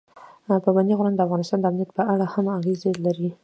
پابندی غرونه د افغانستان د امنیت په اړه هم اغېز لري.